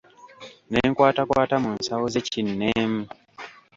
Ne nkwatakwata mu nsawo ze kinneemu.